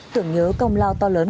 tưởng nhớ công lao to lớn